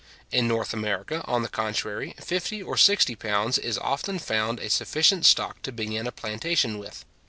In North America, on the contrary, fifty or sixty pounds is often found a sufficient stock to begin a plantation with.